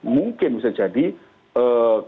mungkin bisa jadi eee